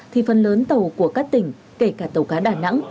thì phần lớn tàu của các tỉnh kể cả tàu cá đà nẵng